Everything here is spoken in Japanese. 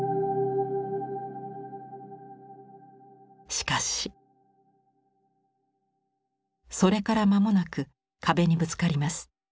しかしそれから間もなく壁にぶつかります。